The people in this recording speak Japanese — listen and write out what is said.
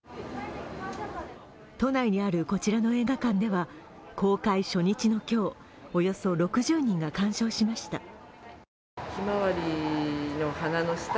都内にあるこちらの映画館では、公開初日の今日、およそ６０人が鑑賞しました。